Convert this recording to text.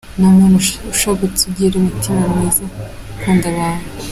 Ni umuntu ushabutse ugira umutima mwiza, ukunda abantu.